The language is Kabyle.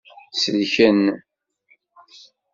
Selken.